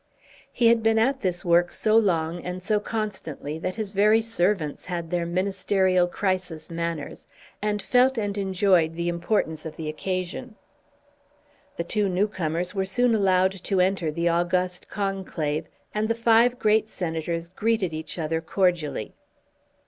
He had been at this work so long and so constantly that his very servants had their ministerial crisis manners and felt and enjoyed the importance of the occasion. The two newcomers were soon allowed to enter the august conclave, and the five great senators greeted each other cordially.